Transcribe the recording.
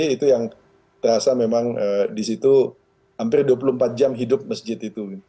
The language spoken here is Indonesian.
itu yang terasa memang di situ hampir dua puluh empat jam hidup masjid itu